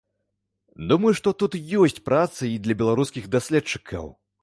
Думаю, што тут ёсць праца і для беларускіх даследчыкаў.